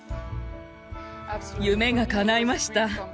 夢がかないました。